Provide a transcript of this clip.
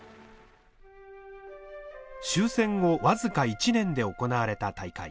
終戦後僅か１年で行われた大会。